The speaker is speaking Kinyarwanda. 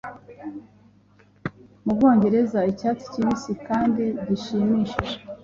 Mu Bwongereza icyatsi kibisi kandi gishimishije.